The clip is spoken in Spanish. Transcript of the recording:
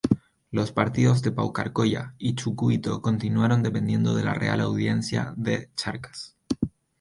Los partidos de Paucarcolla y Chucuito continuaron dependiendo de la Real Audiencia de Charcas.